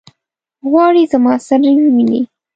غواړي زما سره وویني.